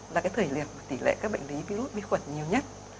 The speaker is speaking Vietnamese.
là cái thời điểm tỷ lệ các bệnh lý virus vi khuẩn nhiều nhất